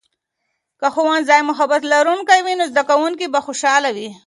که ښوونځی محبت لرونکی وي، نو زده کوونکي به خوشاله وي.